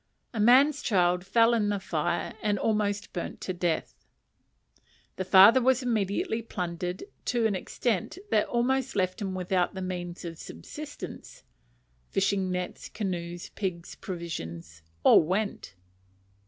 A man's child fell in the fire and was almost burnt to death. The father was immediately plundered to an extent that almost left him without the means of subsistence: fishing nets, canoes, pigs, provisions all went.